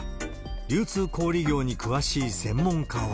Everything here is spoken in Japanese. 流通小売業に詳しい専門家は。